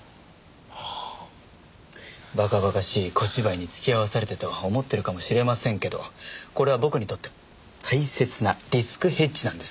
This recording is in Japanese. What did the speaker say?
馬鹿馬鹿しい小芝居に付き合わされてと思ってるかもしれませんけどこれは僕にとって大切なリスクヘッジなんですからね。